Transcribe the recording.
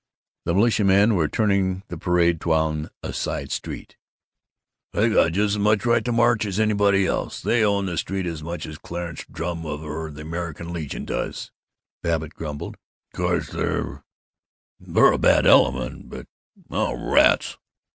The militiamen were turning the parade down a side street. "They got just as much right to march as anybody else! They own the streets as much as Clarence Drum or the American Legion does!" Babbitt grumbled. "Of course, they're they're a bad element, but Oh, rats!"